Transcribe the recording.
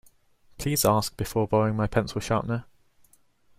Please ask before borrowing my pencil sharpener.